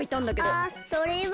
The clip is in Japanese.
あそれは。